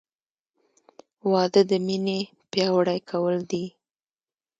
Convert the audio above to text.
• واده د مینې پیاوړی کول دي.